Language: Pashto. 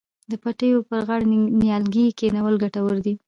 د پټیو پر غاړه نیالګي کینول ګټور دي.